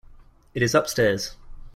It is upstairs.